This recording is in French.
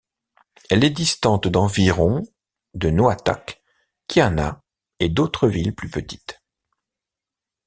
Elle est distante d’environ de Noatak, Kiana et d’autres villes plus petites.